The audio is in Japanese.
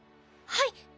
はい。